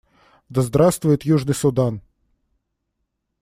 Да здравствует Южный Судан!